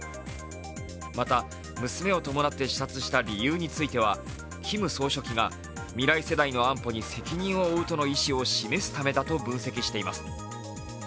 また、娘を伴って視察した理由についてはキム総書記が未来世代の安保に責任を負うとの意思を示したためだと分析しています。